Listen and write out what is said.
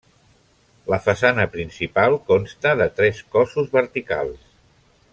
La façana principal consta de tres cossos verticals.